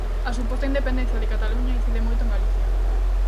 A suposta independencia de Cataluña incide moito en Galicia.